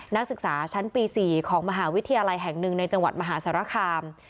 นักศึกษาชั้นปี๔ของมหาวิทยาลัยแห่งหนึ่งในจังหวัดมหาสารคาม